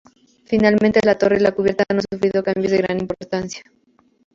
Finalmente, la torre y la cubierta no han sufrido cambios de gran importancia.